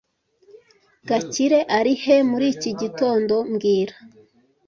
Gakire ari he muri iki gitondo mbwira